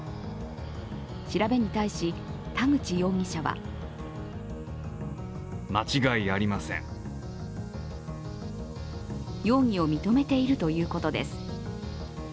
調べに対し、田口容疑者は容疑を認めているということです。